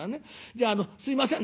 じゃあすいません